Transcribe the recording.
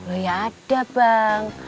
oh ya ada bang